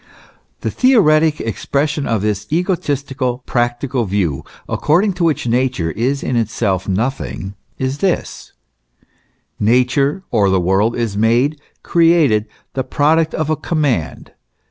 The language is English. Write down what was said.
The theoretic expression of this egoistical, practical view, according to which Nature is in itself nothing, is this : Nature or the world is made, created, the product of a command.